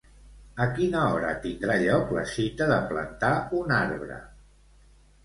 A quina hora tindrà lloc la cita de plantar un arbre?